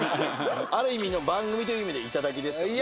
ある意味の番組という意味で頂ですからね。